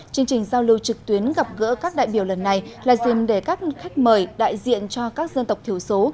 chương trình giao lưu trực tuyến gặp gỡ các đại biểu lần này là dìm để các khách mời đại diện cho các dân tộc thiểu số